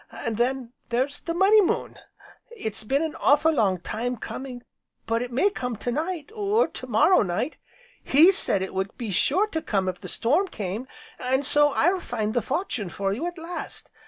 An' then there's the Money Moon! It's been an awful' long time coming, but it may come to night, or tomorrow night. He said it would be sure to come if the storm came, an' so I'll find the fortune for you at last.